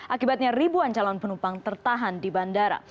akibatnya ribuan calon penumpang tertahan di bandara